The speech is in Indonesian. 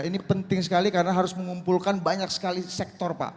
ini penting sekali karena harus mengumpulkan banyak sekali sektor pak